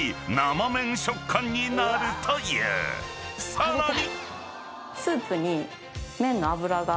［さらに］